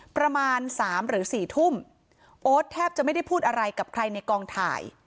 ประมาณสามหรือสี่ทุ่มโอ๊ตแทบจะไม่ได้พูดอะไรกับใครในกองถ่าย